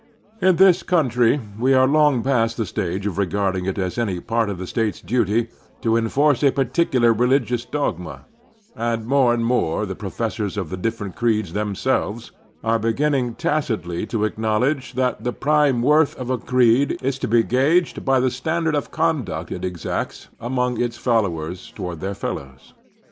In this cotmtry we are long past the stage of regarding it as any part of the state's duty to enforce a particular religious dogma; and more and more the professors of the different creeds themselves are beginning tacitly to acknowledge that the prime worth of a creed is to be gaged by the standard of conduct it exacts among its fol lowers toward their fellows.